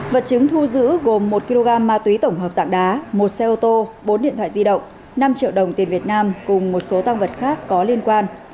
vật chứng thu giữ gồm một kg ma túy tổng hợp dạng đá một xe ô tô bốn điện thoại di động năm triệu đồng tiền việt nam cùng một số tăng vật khác có liên quan